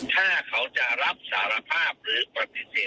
ถ้าเขาจะรับสารภาพหรือปฏิเสธอะไรก็ตามใจ